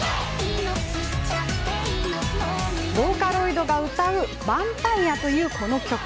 ボーカロイドが歌う「ヴァンパイア」という曲。